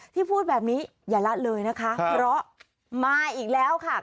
พูดแบบนี้อย่าละเลยนะคะเพราะมาอีกแล้วค่ะ